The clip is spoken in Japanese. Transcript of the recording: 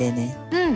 うん！